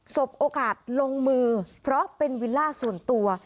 สบโอกาสลงมือเพราะเป็นวิลล่าส่วนตัว